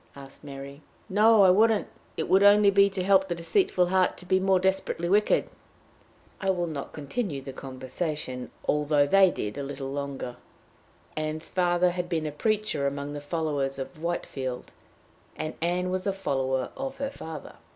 asked Mary. "No, I wouldn't. It would only be to help the deceitful heart to be more desperately wicked." I will not continue the conversation, although they did a little longer. Ann's father had been a preacher among the followers of Whitefield, and Ann was a follower of her father.